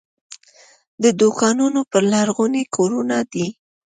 د دوکانونو پر لرغوني کورونه دي.